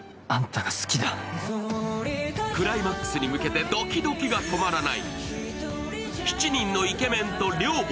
クライマックスに向けてドキドキが止まらない。